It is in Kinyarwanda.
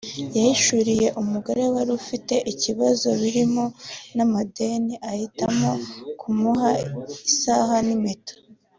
yahishuriwe umugore wari ufite ibibazo birimo n’amadeni ahitamo kumuha isaha n’impeta